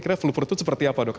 kira flu prut itu seperti apa dok